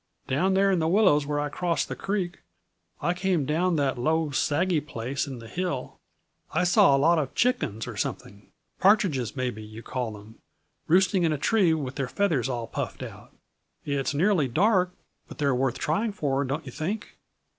"Down there in the willows where I crossed the creek I came down that low, saggy place in the hill I saw a lot of chickens or something partridges, maybe you call them roosting in a tree with their feathers all puffed out. It's nearly dark, but they're worth trying for, don't you think?